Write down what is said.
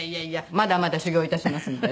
まだまだ修業致しますんで。